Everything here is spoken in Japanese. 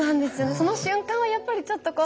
その瞬間はやっぱりちょっとこう。